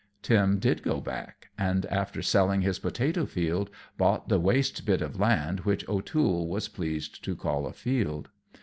Tim did go back, and, after selling his potatoe field, bought the waste bit of land, which O'Toole was pleased to call a field.